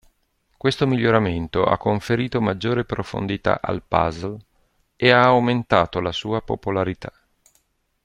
Questo miglioramento ha conferito maggiore profondità al puzzle e ha aumentato la sua popolarità.